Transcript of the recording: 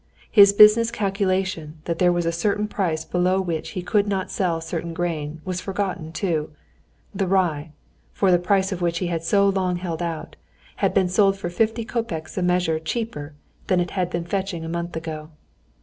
His business calculation that there was a certain price below which he could not sell certain grain was forgotten too. The rye, for the price of which he had so long held out, had been sold for fifty kopecks a measure cheaper than it had been fetching a month ago.